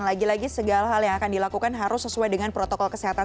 lagi lagi segala hal yang akan dilakukan harus sesuai dengan protokol kesehatan